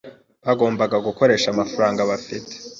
Bagombaga gukoresha amafaranga bafite.